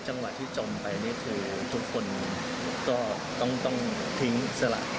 จังหวะที่จมไปนี่คือทุกคนก็ต้องทิ้งอิสระ